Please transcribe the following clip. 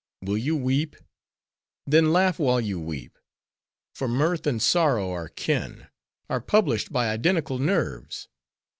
Will you weep? then laugh while you weep. For mirth and sorrow are kin; are published by identical nerves.